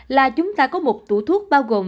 là chúng ta có một tủ thuốc bao gồm